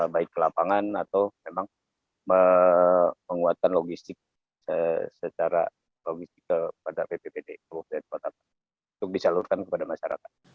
baik ke lapangan atau memang penguatan logistik secara logistik kepada bppd kabupaten kota untuk disalurkan kepada masyarakat